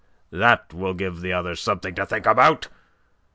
That will give the others something to think about.